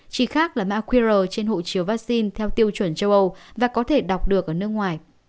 chỉ khác là mã qr trên hộ chiếu vaccine theo tiêu chuẩn châu âu và có thể đọc được ở nước ngoài